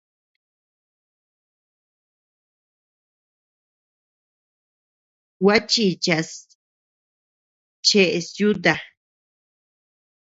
Gua chichas cheʼes yuta.